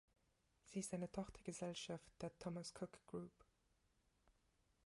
Sie ist eine Tochtergesellschaft der Thomas Cook Group.